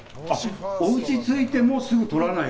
おうち着いてもすぐじゃない。